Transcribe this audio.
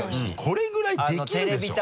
これぐらいできるでしょ。